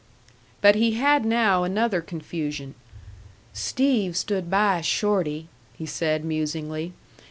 But he had now another confusion. "Steve stood by Shorty," he said musingly.